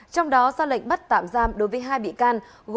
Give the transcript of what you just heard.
trong đó ra lệnh bắt tạm giam đối với hai bị can